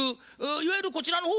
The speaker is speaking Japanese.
いわゆるこちらの方はですね